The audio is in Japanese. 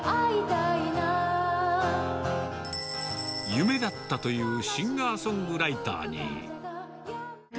夢だったというシンガーソングライターに。